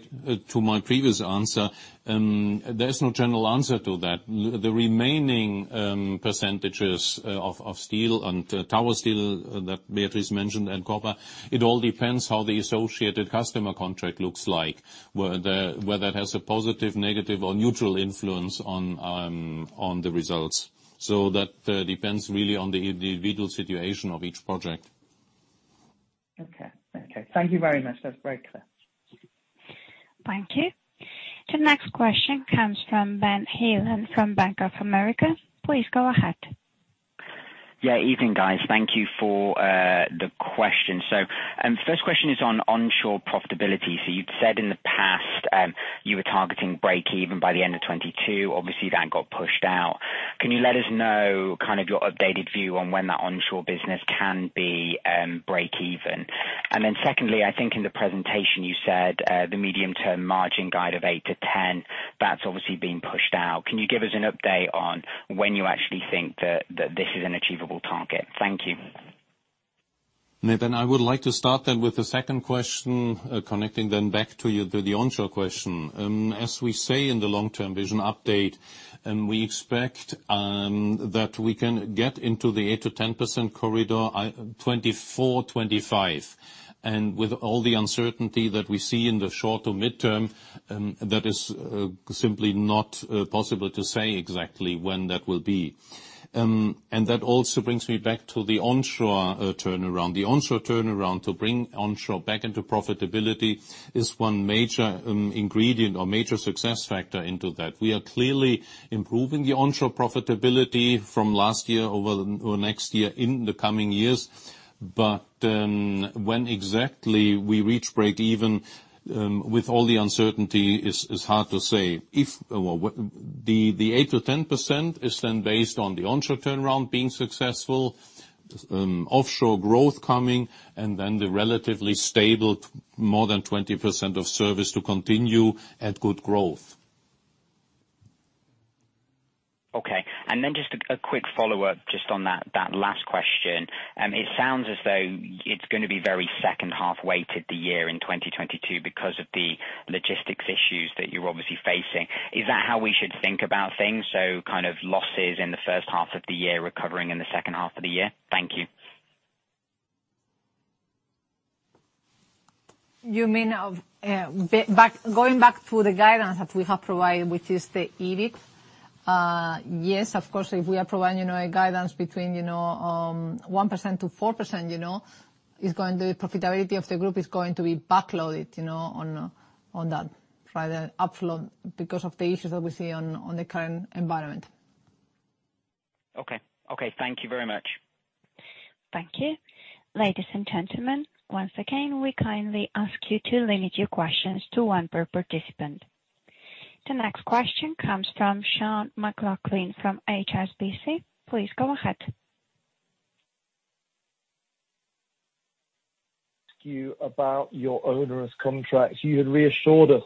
to my previous answer. There is no general answer to that. The remaining percentages of steel and tower steel that Beatriz mentioned, and copper, it all depends how the associated customer contract looks like. Whether it has a positive, negative or neutral influence on the results. That depends really on the individual situation of each project. Okay. Thank you very much. That's very clear. Thank you. The next question comes from Ben Heelan from Bank of America. Please go ahead. Evening, guys. Thank you for the question. First question is on onshore profitability. You'd said in the past, you were targeting breakeven by the end of 2022. Obviously, that got pushed out. Can you let us know kind of your updated view on when that onshore business can be breakeven? Secondly, I think in the presentation you said, the medium term margin guide of 8%-10%, that's obviously been pushed out. Can you give us an update on when you actually think that this is an achievable target? Thank you. Ben, I would like to start then with the second question, connecting then back to you with the onshore question. As we say in the long-term vision update, we expect that we can get into the 8%-10% corridor in 2024, 2025. With all the uncertainty that we see in the short to mid-term, that is simply not possible to say exactly when that will be. That also brings me back to the onshore turnaround. The onshore turnaround to bring onshore back into profitability is one major ingredient or major success factor into that. We are clearly improving the onshore profitability from last year over the next year in the coming years. When exactly we reach breakeven with all the uncertainty is hard to say. Well, the 8%-10% is then based on the onshore turnaround being successful, offshore growth coming, and then the relatively stable more than 20% of service to continue at good growth. Okay. Just a quick follow-up just on that last question. It sounds as though it's gonna be very second half weighted, the year in 2022 because of the logistics issues that you're obviously facing. Is that how we should think about things? Kind of losses in the first half of the year, recovering in the second half of the year? Thank you. You mean going back to the guidance that we have provided, which is the EBIT? Yes, of course, if we are providing, you know, a guidance between, you know, 1%-4%, you know, the profitability of the group is going to be backloaded, you know, on that rather frontloaded, because of the issues that we see in the current environment. Okay. Okay, thank you very much. Thank you. Ladies and gentlemen, once again, we kindly ask you to limit your questions to one per participant. The next question comes from Sean McLoughlin from HSBC. Please go ahead. Question about your onerous contracts. You had reassured us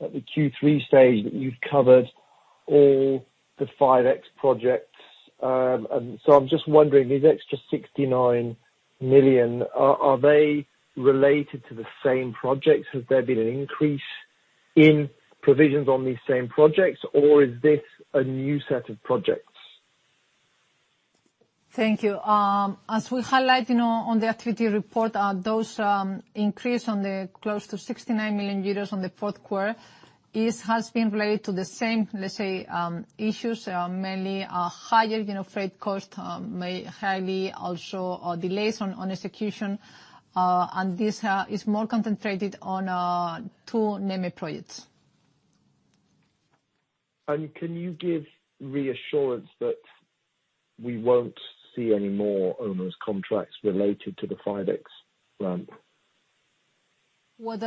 at the Q3 stage that you'd covered all the 5.X projects. I'm just wondering, these extra 69 million, are they related to the same projects? Has there been an increase in provisions on these same projects, or is this a new set of projects? Thank you. As we highlight, you know, on the activity report, this increase of close to 69 million euros in the fourth quarter has been related to the same, let's say, issues, mainly higher, you know, freight cost, mainly also delays on execution. This is more concentrated on two main projects. Can you give reassurance that we won't see any more onerous contracts related to the 5X ramp? What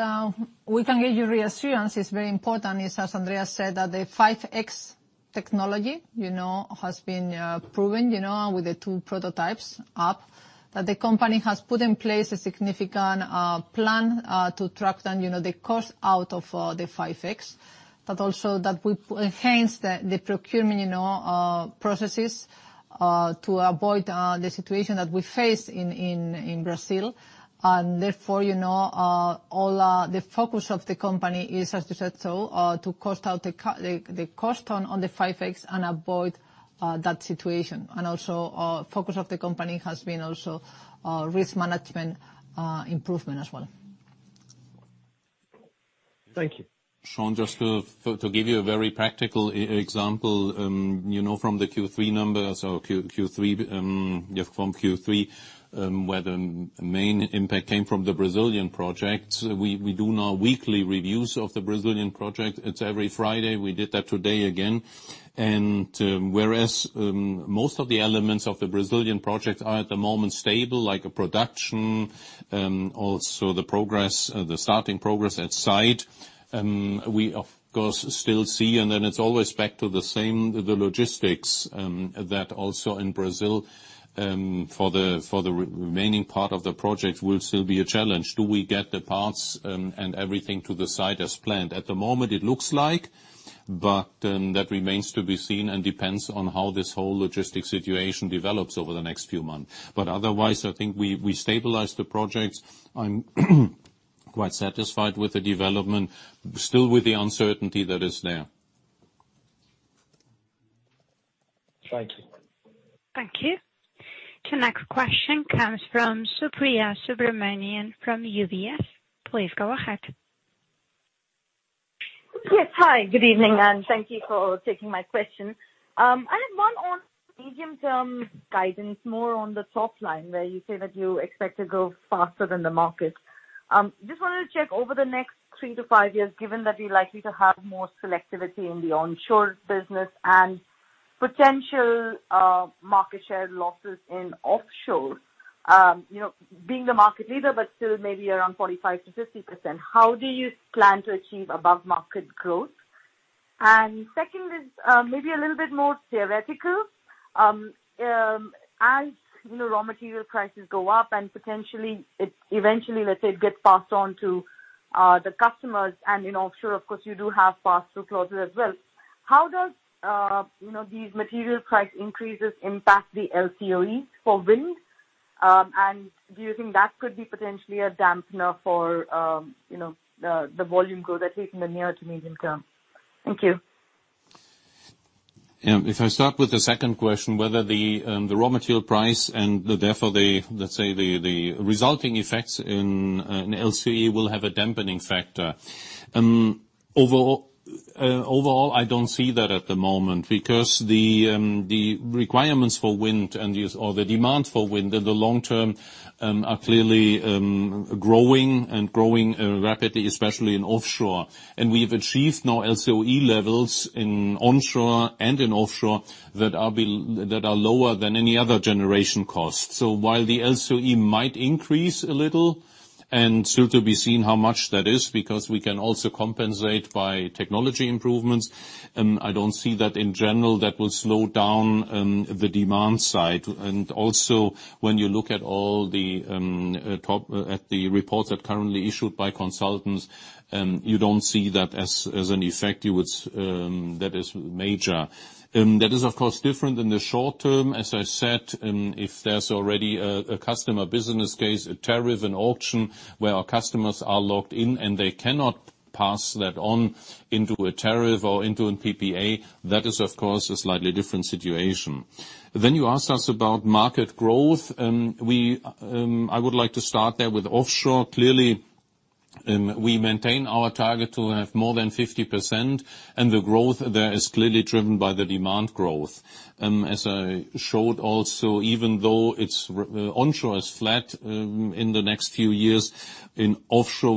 we can give you reassurance is very important, as Andreas said, that the 5.X technology, you know, has been proven, you know, with the two prototypes up. That the company has put in place a significant plan to take the cost out of the 5.X. Also that we enhance the procurement, you know, processes to avoid the situation that we face in Brazil. Therefore, you know, all the focus of the company is, as you said so, to take the cost out of the 5.X and avoid that situation. Also, the focus of the company has also been risk management improvement as well. Thank you. Sean, just to give you a very practical example, you know, from the Q3 numbers, where the main impact came from the Brazilian project, we do now weekly reviews of the Brazilian project. It's every Friday. We did that today again. Whereas most of the elements of the Brazilian project are at the moment stable, like production, also the progress, the starting progress at site, we of course still see, and then it's always back to the same, the logistics, that also in Brazil, for the remaining part of the project will still be a challenge. Do we get the parts and everything to the site as planned? At the moment it looks like, but that remains to be seen and depends on how this whole logistics situation develops over the next few months. Otherwise, I think we stabilized the project. I'm quite satisfied with the development, still with the uncertainty that is there. Thank you. Thank you. The next question comes from Supriya Subramanian from UBS. Please go ahead. Yes. Hi, good evening, and thank you for taking my question. I have one on medium-term guidance, more on the top line where you say that you expect to go faster than the market. Just wanted to check over the next three to five years, given that you're likely to have more selectivity in the onshore business and potential market share losses in offshore, you know, being the market leader but still maybe around 45%-50%, how do you plan to achieve above market growth? Second is maybe a little bit more theoretical. As you know, raw material prices go up and potentially it eventually, let's say, gets passed on to the customers and in offshore of course you do have pass-through clauses as well, how does you know these material price increases impact the LCOE for wind? Do you think that could be potentially a dampener for, you know, the volume growth, at least in the near to medium term? Thank you. Yeah. If I start with the second question, whether the raw material price and therefore the resulting effects in LCOE will have a dampening factor. Overall, I don't see that at the moment because the demand for wind in the long term are clearly growing rapidly, especially in offshore. We've achieved now LCOE levels in onshore and in offshore that are lower than any other generation cost. While the LCOE might increase a little, and still to be seen how much that is, because we can also compensate by technology improvements, I don't see that in general that will slow down the demand side. Also when you look at all the top reports that are currently issued by consultants, you don't see that as an effect that is major. That is of course different in the short term. As I said, if there's already a customer business case, a tariff, an auction where our customers are locked in and they cannot pass that on into a tariff or into a PPA, that is of course a slightly different situation. You asked us about market growth. I would like to start there with offshore. Clearly, we maintain our target to have more than 50%, and the growth there is clearly driven by the demand growth. As I showed also, even though onshore is flat, in the next few years, in offshore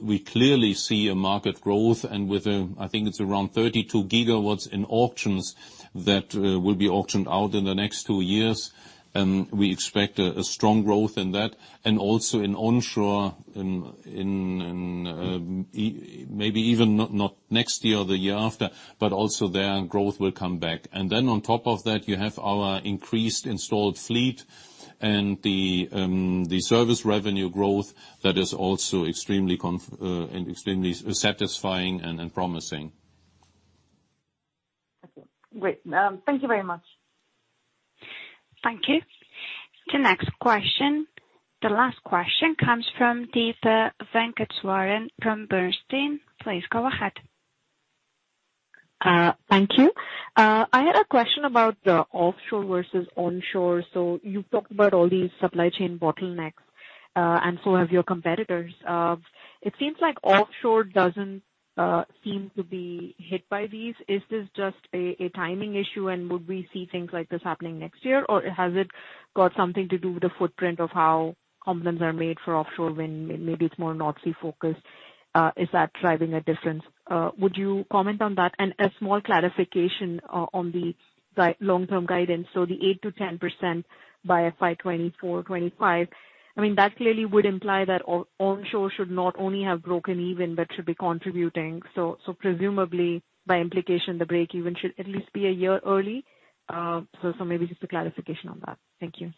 we clearly see a market growth and with, I think it's around 32 GW in auctions that will be auctioned out in the next two years. We expect a strong growth in that. Also in onshore, maybe even not next year or the year after, but also there growth will come back. Then on top of that you have our increased installed fleet and the service revenue growth that is also extremely satisfying and promising. Great. Thank you very much. Thank you. The next question, the last question comes from Deepa Venkateswaran from Bernstein. Please go ahead. Thank you. I had a question about the offshore versus onshore. You've talked about all these supply chain bottlenecks, and so have your competitors. It seems like offshore doesn't seem to be hit by these. Is this just a timing issue, and would we see things like this happening next year, or has it got something to do with the footprint of how components are made for offshore wind? Maybe it's more Nordics focused. Is that driving a difference? Would you comment on that? A small clarification on the guide, long-term guidance. The 8%-10% by FY 2024-2025, I mean, that clearly would imply that onshore should not only have broken even but should be contributing. Presumably by implication, the break even should at least be a year early. Maybe just a clarification on that. Thank you.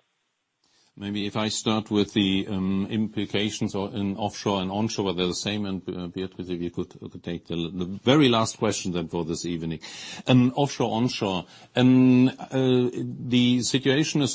Maybe if I start with the implications or in offshore and onshore whether they're the same, and Beatriz, if you could take the very last question then for this evening. In offshore and onshore, the situation is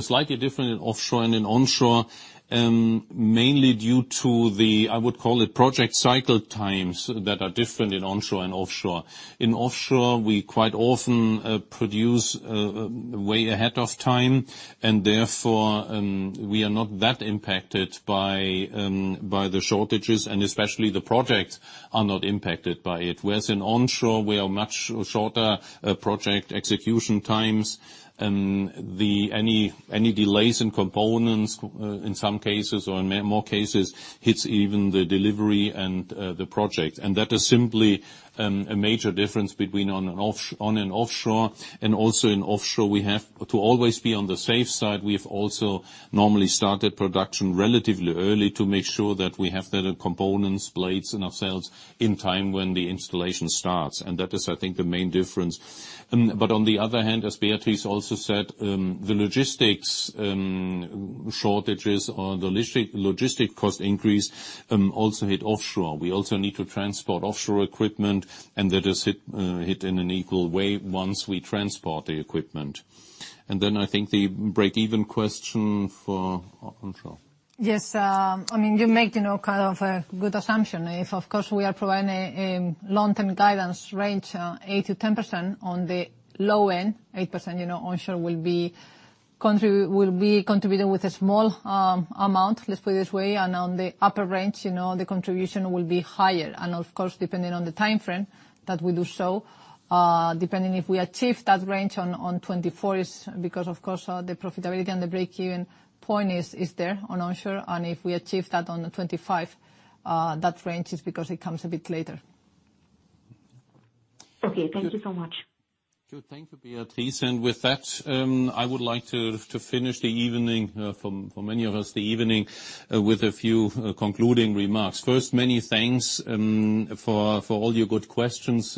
slightly different in offshore than in onshore, mainly due to the, I would call it project cycle times that are different in onshore and offshore. In offshore we quite often produce way ahead of time, and therefore we are not that impacted by the shortages, and especially the projects are not impacted by it. Whereas in onshore, we are much shorter project execution times, and any delays in components in some cases or in more cases hits even the delivery and the project. That is simply a major difference between on and offshore. Also in offshore we have to always be on the safe side. We've also normally started production relatively early to make sure that we have the components, blades and towers in time when the installation starts. That is, I think, the main difference. But on the other hand, as Beatriz also said, the logistics shortages or the logistic cost increase also hit offshore. We also need to transport offshore equipment, and that has hit in an equal way once we transport the equipment. Then I think the break-even question for offshore. Yes. I mean, you make, you know, kind of a good assumption. If of course we are providing a long-term guidance range, 8%-10% on the low end, 8%, you know, onshore will be contributing with a small amount, let's put it this way. On the upper range, you know, the contribution will be higher. Of course, depending on the timeframe that we do so, depending if we achieve that range on 2024 is because of course the profitability and the break-even point is there on onshore. If we achieve that on 2025, that range is because it comes a bit later. Okay. Thank you so much. Good. Thank you, Beatriz. With that, I would like to finish the evening for many of us with a few concluding remarks. First, many thanks for all your good questions.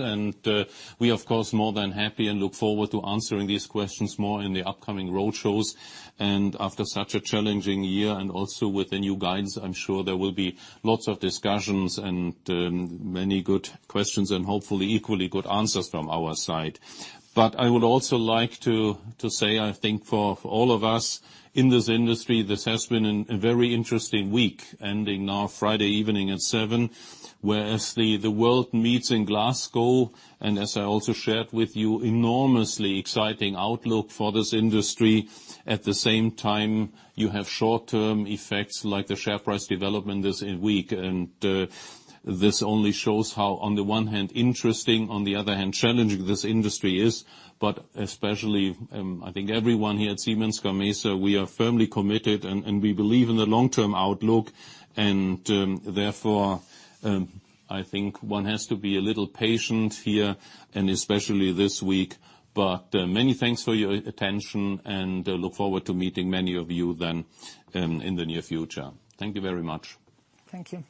We of course more than happy and look forward to answering these questions more in the upcoming road shows. After such a challenging year, and also with the new guides, I'm sure there will be lots of discussions and many good questions, and hopefully equally good answers from our side. I would also like to say, I think for all of us in this industry, this has been a very interesting week, ending now Friday evening at 7:00 P.M. whereas the world meets in Glasgow. As I also shared with you, enormously exciting outlook for this industry. At the same time, you have short-term effects like the share price development this week. This only shows how, on the one hand, interesting, on the other hand, challenging this industry is. Especially, I think everyone here at Siemens Gamesa, we are firmly committed and we believe in the long-term outlook. Therefore, I think one has to be a little patient here and especially this week. Many thanks for your attention, and I look forward to meeting many of you then in the near future. Thank you very much. Thank you.